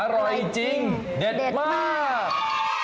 อร่อยจริงเด็ดมาก